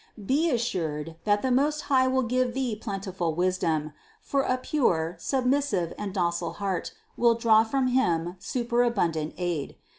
Be assured, that the Most High will give thee plentiful wisdom; for THE CONCEPTION 425 a pure submissive and docile heart will draw from Him superabundant aid.